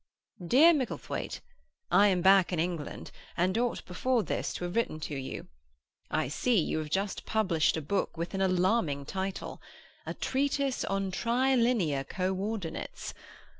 "DEAR MICKLETHWAITE,—I am back in England, and ought before this to have written to you. I see you have just published a book with an alarming title, "A Treatise on Trilinear Co ordinates."